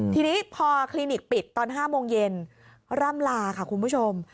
ทีนี้พอคลินิกปิดตอน๕โมงเย็นร่ำลาค่ะคุณผู้ชม